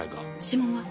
指紋は？